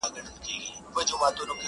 تور مېږي وه، سره مېږي وه، ښانګور وه.!